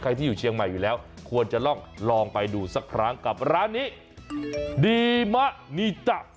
ใครที่อยู่เชียงใหม่อยู่แล้วควรลองไปดูครั้งกับร้านนี้